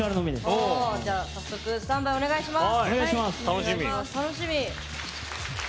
早速スタンバイお願いします。